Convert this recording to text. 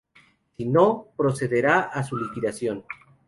Si no, se procederá a su liquidación.